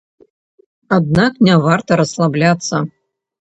Аднак не варта расслабляцца.